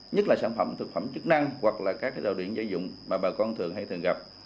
nhất là sản phẩm thực phẩm chức năng hoặc là các tàu điện gia dụng mà bà con thường hay thường gặp